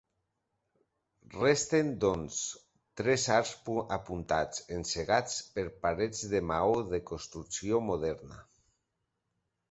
Resten, doncs, tres arcs apuntats, encegats per parets de maó de construcció moderna.